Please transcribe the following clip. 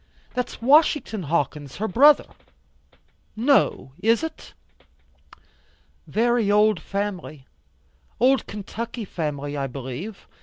That's Washington Hawkins her brother." "No, is it?" "Very old family, old Kentucky family I believe.